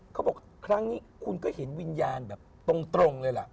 เขาบอกครั้งนี้คุณก็เห็นวิญญาณแบบตรงเลยล่ะ